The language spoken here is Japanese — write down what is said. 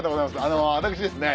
あの私ですね